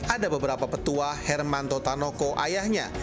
ada beberapa petua herman toto tanoko ayahnya